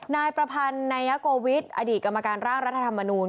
นายประพันธ์นายโกวิทย์อดีตกรรมการร่างรัฐธรรมนูล